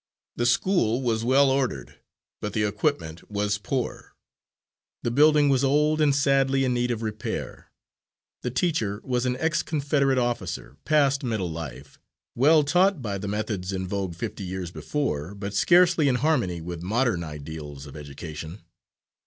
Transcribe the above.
The school was well ordered, but the equipment poor. The building was old and sadly in need of repair. The teacher was an ex Confederate officer, past middle life, well taught by the methods in vogue fifty years before, but scarcely in harmony with modern ideals of education.